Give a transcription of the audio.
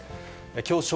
きょう正